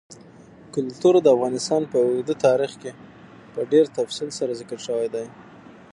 کلتور د افغانستان په اوږده تاریخ کې په ډېر تفصیل سره ذکر شوی دی.